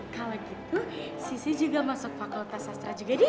kalau gitu sisi juga masuk fakultas sastra juga